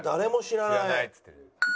知らないっつってる。